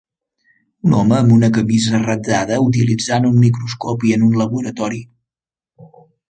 Un home amb una camisa ratllada utilitzant un microscopi en un laboratori.